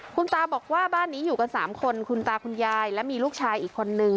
คุณตาบอกว่าบ้านนี้อยู่กัน๓คนคุณตาคุณยายและมีลูกชายอีกคนนึง